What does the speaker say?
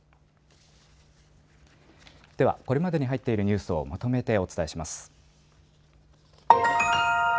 ではこれまでに入っているニュースをまとめてお伝えします。